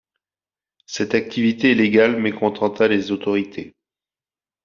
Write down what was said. Cette activité illégale mécontenta les autorités.